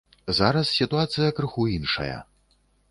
Зараз сітуацыя крыху іншая.